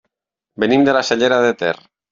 Venim de la Cellera de Ter.